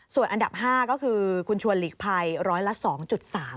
ส่วนอันดับ๕ก็คือคุณชวนหลีกภัยร้อยละ๒๓